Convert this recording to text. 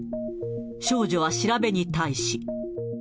少女は調べに対し。